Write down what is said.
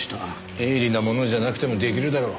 鋭利なものじゃなくても出来るだろう